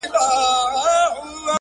چاویل چي بم ښایسته دی ښه مرغه دی،